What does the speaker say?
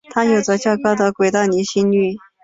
它有着较高的轨道离心率。